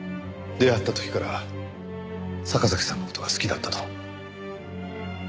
出会った時から坂崎さんの事が好きだったと。